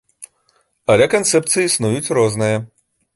Але канцэпцыі існуюць розныя.